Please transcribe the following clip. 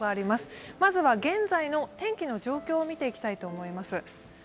まずは現在の天気の状況を見ていきたいと思います。